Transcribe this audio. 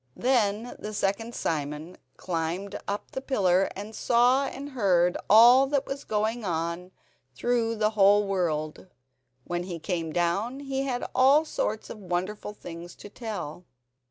Then the second Simon climbed up the pillar and saw and heard all that was going on through the whole world. When he came down he had all sorts of wonderful things to tell.